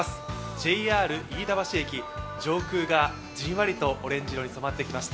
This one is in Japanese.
ＪＲ飯田橋駅、上空がじんわりとオレンジ色に染まってきました。